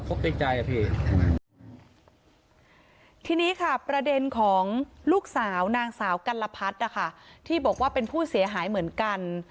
แต่ไม่ใช่เรื่องเงินเป็นเรื่องของการถูกทำร้ายราชาศาสตร์